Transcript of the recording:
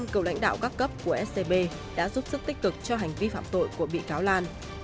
bốn mươi năm cậu lãnh đạo các cấp của scb đã giúp sức tích cực cho hành vi phạm tội của bị cáo lan